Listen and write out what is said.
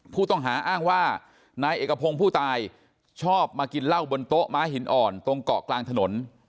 ผู้ต้องหาอ้างว่านายเอกพงศ์ผู้ตายชอบมากินเหล้าบนโต๊ะม้าหินอ่อนตรงเกาะกลางถนน